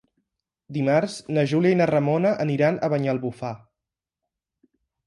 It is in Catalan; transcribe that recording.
Dimarts na Júlia i na Ramona aniran a Banyalbufar.